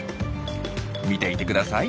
見ていてください。